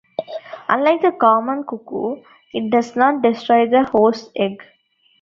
Unlike the common cuckoo, it does not destroy the host's egg.